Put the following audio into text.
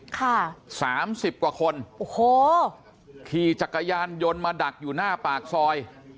ค่ะสามสิบกว่าคนโอ้โหขี่จักรยานยนต์มาดักอยู่หน้าปากซอย